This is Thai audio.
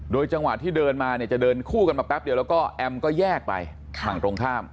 จังหวะที่เดินมาเนี่ยจะเดินคู่กันมาแป๊บเดียวแล้วก็แอมก็แยกไปฝั่งตรงข้าม